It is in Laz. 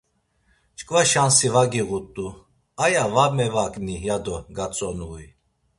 Çkva şansi va giğut̆u, aya va mevagni yado gatzonui?